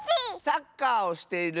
サッカーをしている。